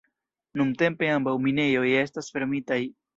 Nuntempe ambaŭ minejoj estas fermitaj.